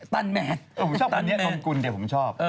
ตันแมน